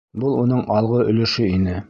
Был уның алғы өлөшө ине.